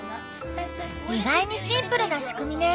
意外にシンプルな仕組みね。